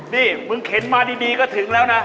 นี่มึงเข็นมาดีก็ถึงแล้วนะ